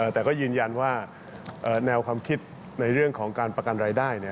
แต่ก็ยืนยันว่าแนวความคิดในเรื่องของการประกันรายได้